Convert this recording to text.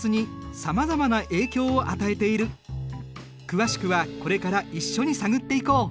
詳しくはこれから一緒に探っていこう。